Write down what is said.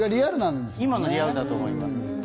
今のリアルだと思います。